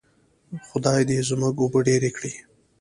خدای دې زموږ اوبه ډیرې کړي.